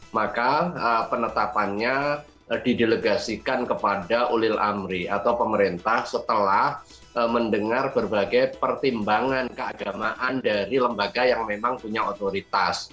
maka penetapannya didelegasikan kepada ulil amri atau pemerintah setelah mendengar berbagai pertimbangan keagamaan dari lembaga yang memang punya otoritas